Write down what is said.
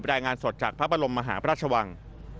รายงานสดจากพระบรมมหาพระราชวัง